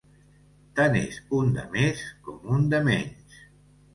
Tant és un de més com un de menys.